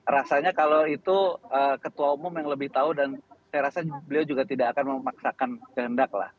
rasanya kalau itu ketua umum yang lebih tahu dan saya rasa beliau juga tidak akan memaksakan kehendak lah